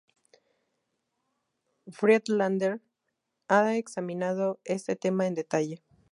Friedlander ha examinado este tema en detalle.